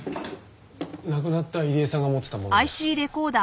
亡くなった入江さんが持ってたものです。